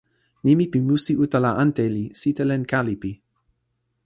nimi pi musi utala ante li "sitelen Kalipi".